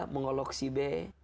mengolok si b